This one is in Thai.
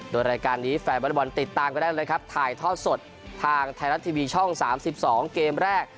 โดยรายการนี้แฟนบอลติดตามกันได้เลยครับถ่ายทอดสดทางไทยรัฐทีวีช่อง๓๒เกมแรก